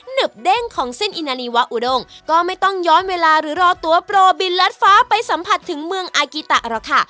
ึบเด้งของเส้นอินาลีวะอุดงก็ไม่ต้องย้อนเวลาหรือรอตัวโปรบินลัดฟ้าไปสัมผัสถึงเมืองอากิตะหรอกค่ะ